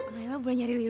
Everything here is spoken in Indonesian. nailah berani nyari lilo